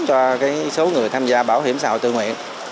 cho số người tham gia bảo hiểm xã hội tự nguyện